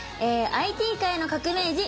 ＩＴ界の革命児